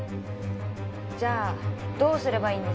じゃあどうすればいいんですか？